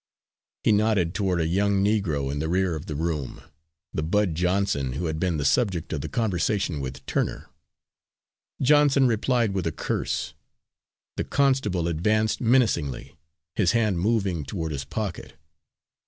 He nodded toward a young Negro in the rear of the room, the Bud Johnson who had been the subject of the conversation with Turner. Johnson replied with a curse. The constable advanced menacingly, his hand moving toward his pocket.